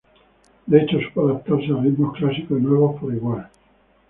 De hecho, supo adaptarse a ritmos clásicos y nuevos por igual.